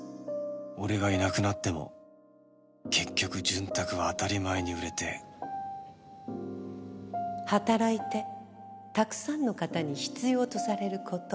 俺がいなくなっても結局潤沢は当たり前に売れて働いてたくさんの方に必要とされる事。